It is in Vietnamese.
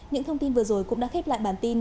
những thông tin vừa rồi cũng đã khép lại bản tin